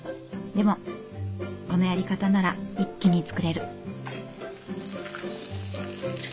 でもこのやり方なら一気に作れる。